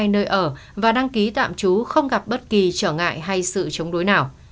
hai nơi ở và đăng ký tạm chú không gặp bất kỳ trở ngại hay sự chống đối nào